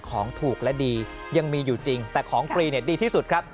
ของถูกและดียังมีอยู่จริงแต่ของฟรีเนี่ยดีที่สุดครับ